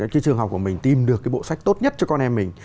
cái trường học của mình tìm được cái bộ sách tốt nhất cho con em mình